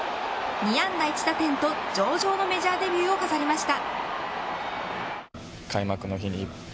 ２安打１打点と上々のメジャーデビューを飾りました。